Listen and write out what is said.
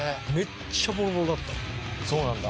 そうなんだ。